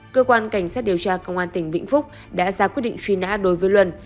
cơ quan cảnh sát điều tra công an tỉnh vĩnh phúc đã ra quyết định truy nã đối với luân